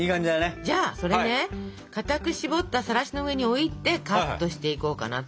じゃあそれね固くしぼったさらしの上に置いてカットしていこうかなと。